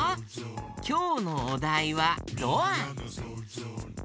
きょうのおだいはドア。